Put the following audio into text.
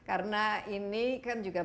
apresentasinya gede banget damai